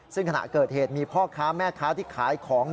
ซึ่งขณะเกิดเหตุมีพ่อค้าแม่ค้าที่ขายของ